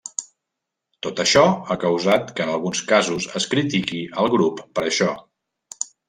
Tot això ha causat que en alguns casos es critique el grup per això.